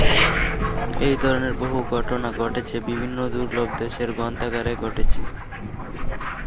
এই ধরনের বহু ঘটনা ঘটেছে বিভিন্ন দুর্লভ দেশের গ্রন্থাগারে ঘটেছে।